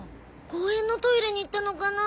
公園のトイレに行ったのかな。